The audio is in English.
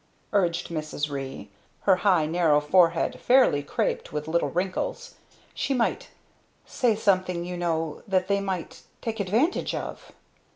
urged Mrs. Ree; her high narrow forehead fairly creped with little wrinkles: "She might say something, you know, that they might take advantage of!"